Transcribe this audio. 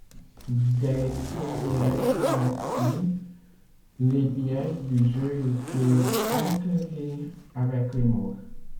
Dès les premières dynasties, les pièces du jeu étaient enterrées avec les morts.